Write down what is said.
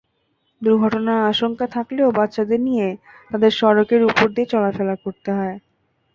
দুর্ঘটনার আশঙ্কা থাকলেও বাচ্চাদের নিয়ে তাঁদের সড়কের ওপর দিয়েই চলাফেরা করতে হয়।